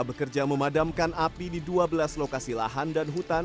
bekerja memadamkan api di dua belas lokasi lahan dan hutan